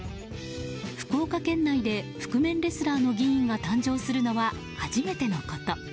福岡県内で覆面レスラーの議員が誕生するのは初めてのこと。